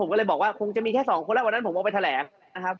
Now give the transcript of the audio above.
ผมก็เลยบอกว่าคงจะมีแค่สองคนแล้ววันนั้นผมออกไปแถลงนะครับ